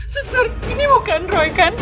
suster ini bukan roy kan